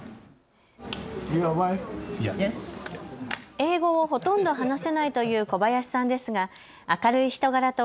英語をほとんど話せないという小林さんですが明るい人柄と